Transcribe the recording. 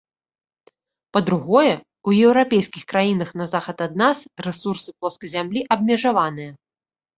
Па-другое, у еўрапейскіх краінах на захад ад нас рэсурсы плоскай зямлі абмежаваныя.